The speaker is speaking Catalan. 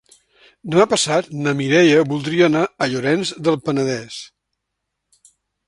Demà passat na Mireia voldria anar a Llorenç del Penedès.